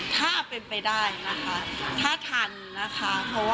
ถ้าเป็นไปได้นะคะถ้าทันนะคะ